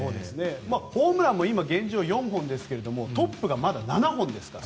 ホームランも今、現状４本ですがトップがまだ７本ですから。